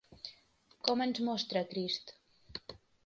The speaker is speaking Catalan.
Com ens mostra Crist?